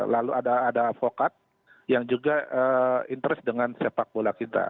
lalu ada avokat yang juga interest dengan sepak bola kita